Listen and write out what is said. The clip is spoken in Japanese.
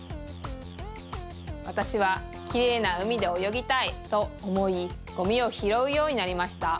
わたしはきれいなうみでおよぎたい！とおもいゴミをひろうようになりました。